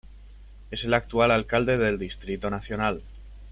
Es el actual Alcalde del Distrito Nacional.